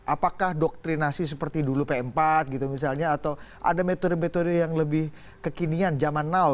apakah doktrinasi seperti dulu pempat gitu misalnya atau ada metode metode yang lebih kekinian zaman now gitu lah